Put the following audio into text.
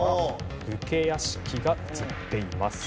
武家屋敷が映っています。